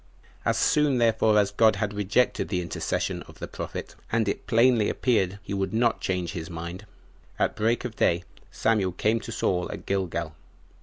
As soon therefore as God had rejected the intercession of the prophet, and it plainly appeared he would not change his mind, at break of day Samuel came to Saul at Gilgal.